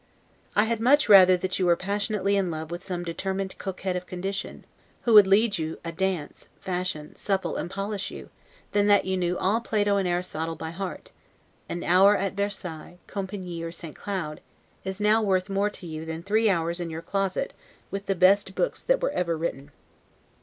I had much rather that you were passionately in love with some determined coquette of condition (who would lead you a dance, fashion, supple, and polish you), than that you knew all Plato and Aristotle by heart: an hour at Versailles, Compiegne, or St. Cloud, is now worth more to you than three hours in your closet, with the best books that ever were written.